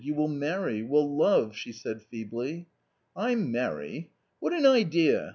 You will marry .... will love ...." she said feebly. " I marry ! what an idea